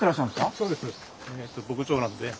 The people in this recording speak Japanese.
そうです